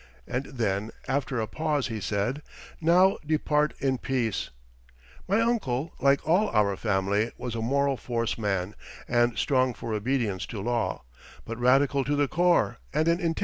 And then, after a pause, he said, "Now depart in peace!" My uncle, like all our family, was a moral force man and strong for obedience to law, but radical to the core and an intense admirer of the American Republic.